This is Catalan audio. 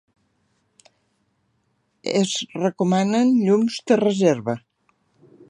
Es recomanen llums de reserva.